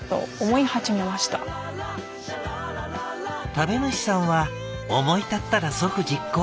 「食べ主さんは思い立ったら即実行。